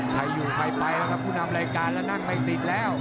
ใครอยู่ใครไปแล้วครับผู้นำรายการแล้วนั่งไม่ติดแล้ว